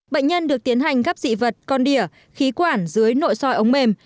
bệnh nhân được tiến hành gắp dị vật con đỉa khí quản dưới nội soi ống mềm